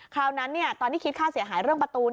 คราวนั้นตอนที่คิดค่าเสียหายเรื่องประตู